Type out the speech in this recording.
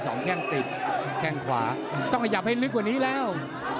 แข้งติดแข้งขวาต้องขยับให้ลึกกว่านี้แล้ว